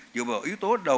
dựa vào yếu tố đầu